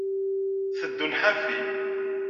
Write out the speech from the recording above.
Teddun ḥafi.